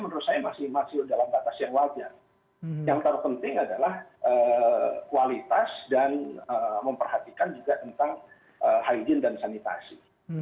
yang terpenting adalah kualitas dan memperhatikan juga tentang hygiene dan sanitasi